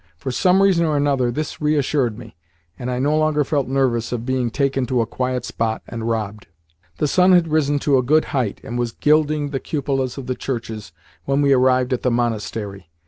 For some reason or another this reassured me, and I no longer felt nervous of being taken to a quiet spot and robbed. The sun had risen to a good height, and was gilding the cupolas of the churches, when we arrived at the monastery.